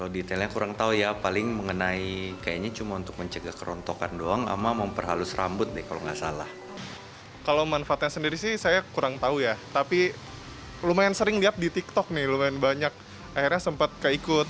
di tiktok nih lumayan banyak akhirnya sempat keikut